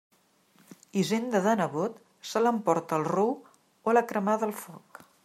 Hisenda de nebot, se l'emporta el rou o l'ha cremada el foc.